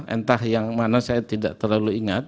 entah yang mana saya tidak terlalu ingat